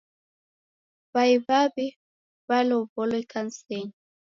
W'ai w'aw'i w'alow'olwa ikanisenyi.